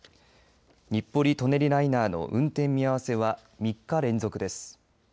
日暮里・舎人ライナーの運転見合わせは３日連続です。